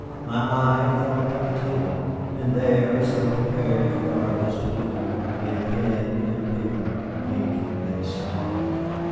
My eye fell upon the table, and there, as though prepared for what I was to do, lay pen and paper, ink and sand.